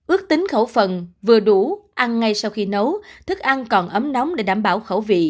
ước tính khẩu phần vừa đủ ăn ngay sau khi nấu thức ăn còn ấm nóng để đảm bảo khẩu vị